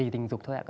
tình dục thôi ạ